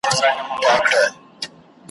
څو سيندونه لا بهيږي `